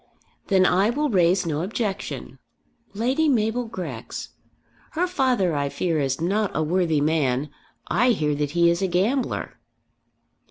"Then I will raise no objection. Lady Mabel Grex! Her father, I fear, is not a worthy man. I hear that he is a gambler."